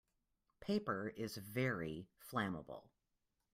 Paper is very flammable.